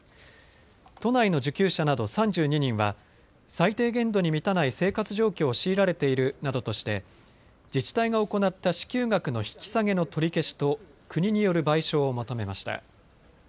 都内の受給者など３２人は最低限度に満たない生活状況を強いられているなどとして自治体が行った支給額の引き下げの取り消しと国による賠償を求めました。